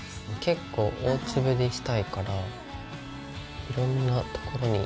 結構大粒にしたいからいろんなところに。